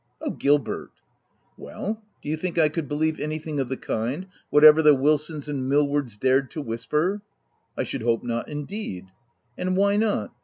" Oh, Gilbert !"" Well, do you think I could believe anything of the kind, — whatever the Wilsons and Mill wards dared to whisper V " I should hope not indeed ! v " And why not